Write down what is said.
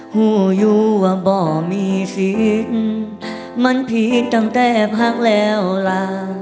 หัวอยู่ว่าบ่อมีสินมันผิดตั้งแต่พักแล้วล่ะ